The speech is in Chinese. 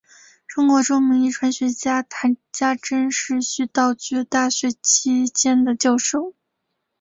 中国著名遗传学家谈家桢是徐道觉大学期间的教授。